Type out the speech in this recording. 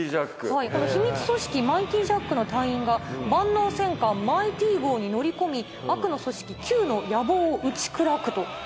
秘密組織マイティジャックの隊員が万能戦艦マイティ号に乗り込み悪の組織Ｑの野望を打ち砕くと。